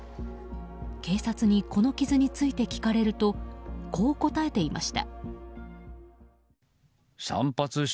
警察にこの傷について聞かれるとこう答えていました。